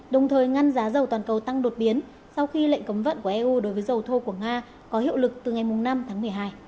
đồng thời ngăn giá dầu toàn cầu tăng đột biến sau khi lệnh cấm vận của eu đối với dầu thô của nga có hiệu lực từ ngày năm tháng một mươi hai